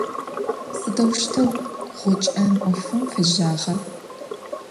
Sıdeuşteu ğuç'en 'ofım fêjağa?